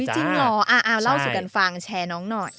จริงเหรอเอาเล่าสู่กันฟังแชร์น้องหน่อย